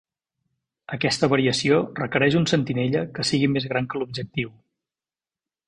Aquesta variació requereix un sentinella que sigui més gran que l'objectiu.